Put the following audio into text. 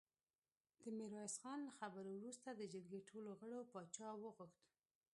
د ميرويس خان له خبرو وروسته د جرګې ټولو غړو پاچا غوښت.